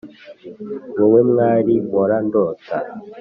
Wowe mwari mpora ndota!